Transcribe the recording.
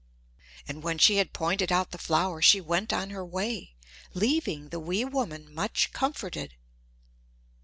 And when she had pointed out the flower she went on her way, leaving the wee woman much comforted.